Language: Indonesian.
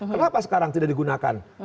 kenapa sekarang tidak digunakan